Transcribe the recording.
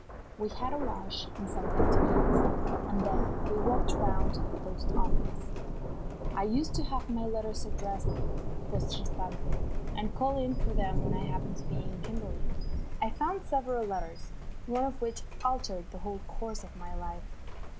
We had a wash and something to eat, and then we walked round to the post office. I used to have my letters addressed there, poste restante, and call in for them when I happened to be in Kimberley. I found several letters, one of which altered the whole course of my life.